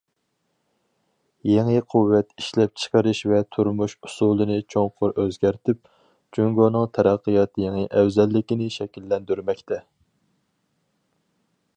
يېڭى قۇۋۋەت ئىشلەپچىقىرىش ۋە تۇرمۇش ئۇسۇلىنى چوڭقۇر ئۆزگەرتىپ، جۇڭگونىڭ تەرەققىيات يېڭى ئەۋزەللىكىنى شەكىللەندۈرمەكتە.